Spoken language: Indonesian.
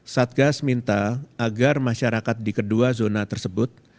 satgas minta agar masyarakat di kedua zona tersebut